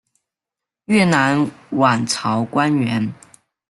越南阮朝官员。